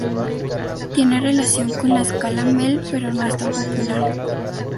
Tiene relación con la Escala Mel, pero no es tan popular.